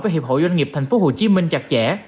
với hiệp hội doanh nghiệp tp hcm chặt chẽ